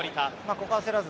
ここは焦らず。